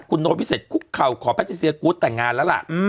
คุณโน้พิเศษคุกเข่าขอแพทิเซียกูธแต่งงานแล้วล่ะ